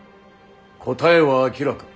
答えは明らか。